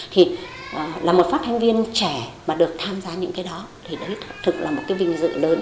thì là một phát thanh viên trẻ mà được tham gia những cái đó thì đấy thực là một cái vinh dự lớn